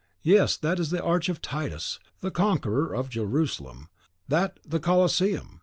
Yes, that is the arch of Titus, the conqueror of Jerusalem, that the Colosseum!